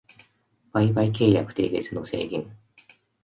売買契約締結の制限